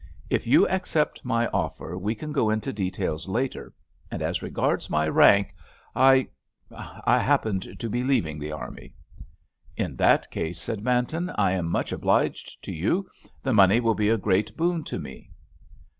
"If you accept my offer we can go into details later, and as regards my rank, I—I happen to be leaving the army." "In that case," said Manton, "I am much obliged to you; the money will be a great boon to me."